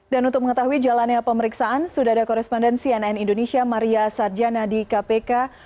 dan untuk mengetahui jalannya pemeriksaan sudah ada korespondensi ann indonesia maria sarjana di kpk